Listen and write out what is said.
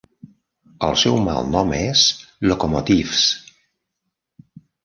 El seu malnom és "Locomotives".